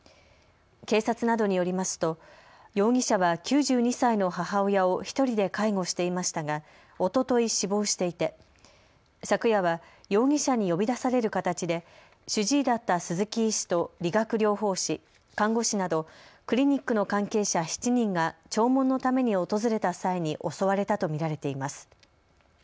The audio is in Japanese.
警察などによりますと容疑者は９２歳の母親を１人で介護していましたがおととい死亡していて昨夜は容疑者に呼び出される形で主治医だった鈴木医師と理学療法士、看護師などクリニックの関係者７人が弔問のために訪れた際に襲われたと見られています。